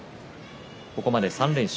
ここまで３連勝